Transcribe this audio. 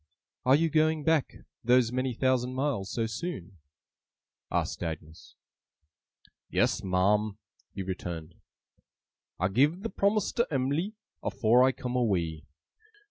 'Are you going back those many thousand miles, so soon?' asked Agnes. 'Yes, ma'am,' he returned. 'I giv the promise to Em'ly, afore I come away.